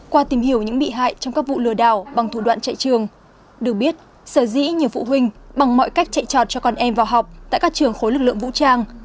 qua tìm hiểu những bị hại trong các vụ lừa đảo bằng thủ đoạn chạy trường được biết sở dĩ nhiều phụ huynh bằng mọi cách chạy trọt cho con em vào học tại các trường khối lực lượng vũ trang